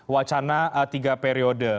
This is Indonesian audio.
wacana tiga periode